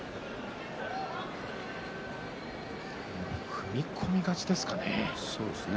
踏み込み勝ちですかね。